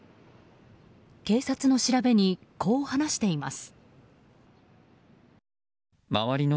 警察の調べにこう話しています。